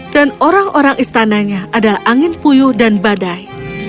dan orang orang istananya adalah angin puyuh dan badai